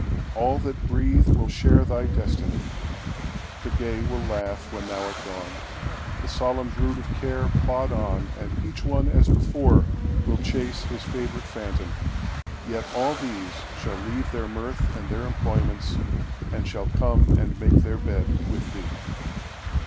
All that breatheWill share thy destiny. The gay will laughWhen thou art gone, the solemn brood of carePlod on, and each one as before will chaseHis favorite phantom; yet all these shall leaveTheir mirth and their employments, and shall comeAnd make their bed with thee.